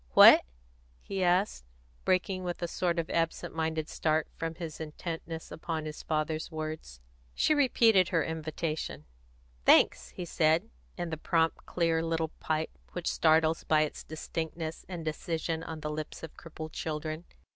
"What?" he asked, breaking with a sort of absent minded start from his intentness upon his father's words. She repeated her invitation. "Thanks!" he said, in the prompt, clear little pipe which startles by its distinctness and decision on the lips of crippled children.